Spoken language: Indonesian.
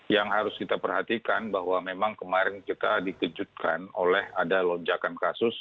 yang harus kita perhatikan bahwa memang kemarin kita dikejutkan oleh ada lonjakan kasus